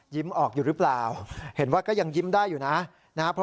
ออกอยู่หรือเปล่าเห็นว่าก็ยังยิ้มได้อยู่นะนะครับ